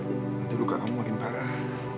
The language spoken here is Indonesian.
nanti luka kamu makin parah